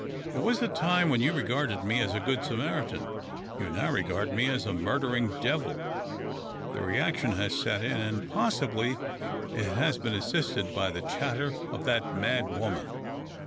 There was a time when you regarded me as a good Samaritan ; you now regard me as a murdering devil. The reaction has set in, and, possibly, it has been assisted by the chatter of that mad woman.